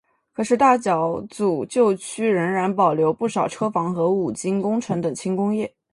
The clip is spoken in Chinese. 可是大角咀旧区仍然保留不少车房和五金工程等轻工业。